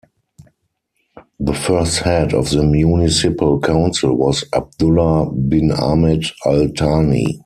The first head of the municipal council was Abdullah bin Ahmed Al Thani.